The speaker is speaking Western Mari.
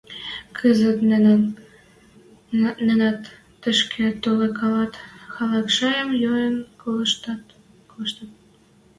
Кӹзӹт нӹнӓт тишкӹ толыкалат, халык шаям йойын колыштыт.